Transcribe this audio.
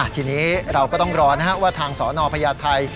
ทีนี้เราก็ต้องรอว่าทางสนพญาไทย